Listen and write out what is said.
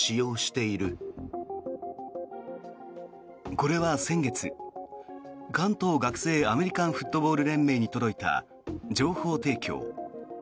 これは先月、関東学生アメリカンフットボール連盟に届いた情報提供。